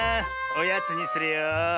おやつにするよ。